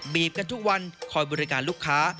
กันทุกวันคอยบริการลูกค้า